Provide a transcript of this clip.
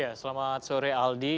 ya selamat sore aldi